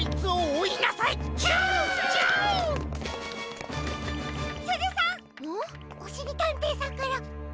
おしりたんていさんから。